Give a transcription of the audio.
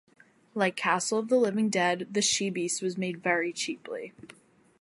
Like "Castle of the Living Dead", "The She Beast" was made very cheaply.